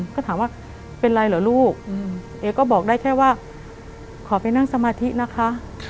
ก็ถามว่าเป็นไรเหรอลูกเอก็บอกได้แค่ว่าขอไปนั่งสมาธินะคะ